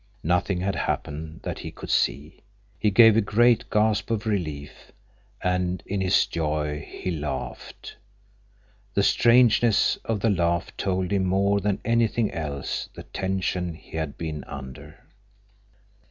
Nothing had happened that he could see. He gave a great gasp of relief, and in his joy he laughed. The strangeness of the laugh told him more than anything else the tension he had been under.